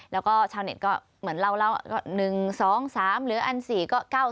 แล้วก็ชาวเน็ตก็เหมือนเรา๑๒๓หรืออัน๔ก็๙๑